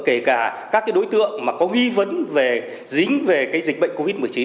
kể cả các đối tượng có nghi vấn về dính về dịch bệnh covid một mươi chín